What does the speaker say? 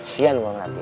sian gue ngerat dia